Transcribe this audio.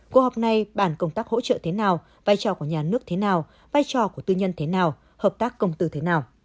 cuộc họp này bàn công tác hỗ trợ thế nào vai trò của nhà nước thế nào vai trò của tư nhân thế nào hợp tác công tư thế nào